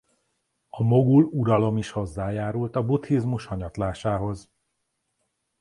A mogul uralom is hozzájárult a buddhizmus hanyatlásához.